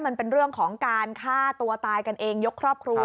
มันเป็นเรื่องของการฆ่าตัวตายกันเองยกครอบครัว